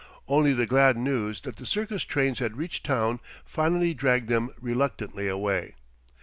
Only the glad news that the circus trains had reached town finally dragged them reluctantly away.